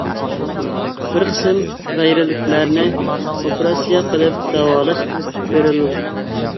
بىر قىسىم غەيرىيلىكلەرنى ئوپېراتسىيە قىلىپ داۋالاش ئېلىپ بېرىلىدۇ.